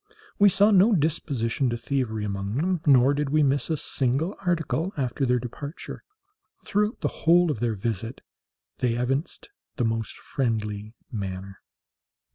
We saw no disposition to thievery among them, nor did we miss a single article after their departure. Throughout the whole of their visit they evinced the most friendly manner.